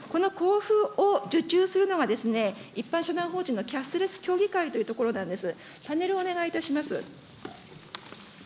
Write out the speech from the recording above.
この交付を受注するのが、一般社団法人のキャッシュレス協議会というところなんです。